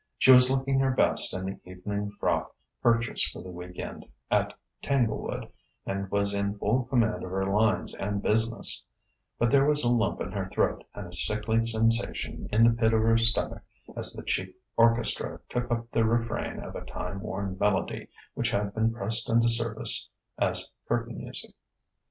She was looking her best in the evening frock purchased for the week end at Tanglewood, and was in full command of her lines and business; but there was a lump in her throat and a sickly sensation in the pit of her stomach as the cheap orchestra took up the refrain of a time worn melody which had been pressed into service as curtain music.